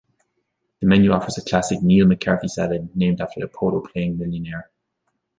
The menu offers a classic Neil McCarthy salad, named after the polo-playing millionaire.